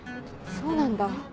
そうなんだ。